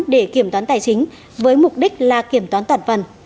để kiểm toán tài chính với mục đích là kiểm toán toàn phần